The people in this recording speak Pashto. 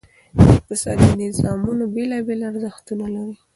اقتصادي نظامونه بېلابېل ارزښتونه لري.